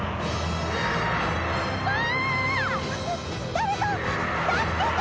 誰か助けて！